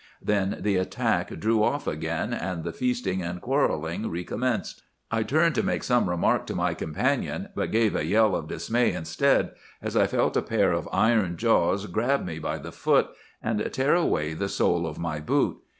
Then the attack drew off again, and the feasting and quarrelling recommenced. "I turned to make some remark to my companion, but gave a yell of dismay instead, as I felt a pair of iron jaws grab me by the foot, and tear away the sole of my boot.